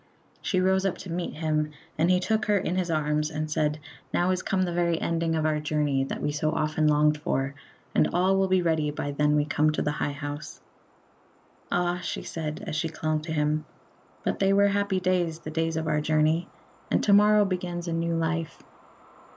She rose up to meet him, and he took her in his arms, and said: "Now is come the very ending of our journey that we so often longed for; and all will be ready by then we come to the High House." "Ah," she said, as she clung to him, "but they were happy days the days of our journey; and to morrow begins a new life."